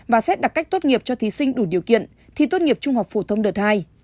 và xét đặc cách tốt nghiệp cho thí sinh đủ điều kiện thi tốt nghiệp trung học phổ thông đợt hai